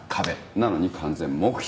なのに完全黙秘。